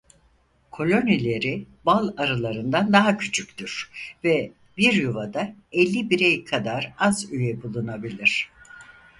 Kolonileri bal arılarından daha küçüktür ve bir yuvada elli birey kadar az üye bulunabilir.